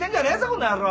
この野郎！